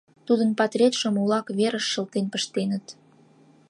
Тудын патретшым улак верыш шылтен пыштеныт.